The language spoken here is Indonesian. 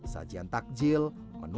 sajian takjil menu utama hingga makanan